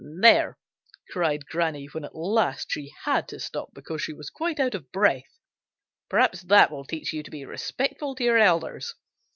"There!" cried Granny, when at last she had to stop because she was quite out of breath. "Perhaps that will teach you to be respectful to your elders.